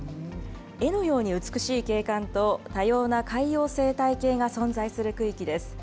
絵のように美しい景観と、多様な海洋生態系が存在する区域です。